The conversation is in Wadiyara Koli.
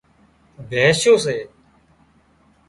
بينشُون سي